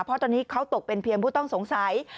เพราะตอนนี้เขาตกเป็นเพียงผู้ต้องสงสัย